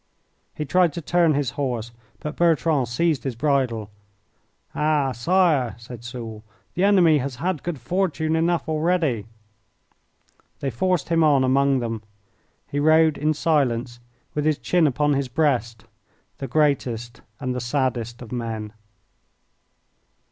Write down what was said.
He tried to turn his horse, but Bertrand seized his bridle. "Ah, Sire," said Soult, "the enemy has had good fortune enough already." They forced him on among them. He rode in silence with his chin upon his breast, the greatest and the saddest of men.